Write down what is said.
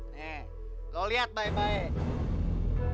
hek lo lihat baik baik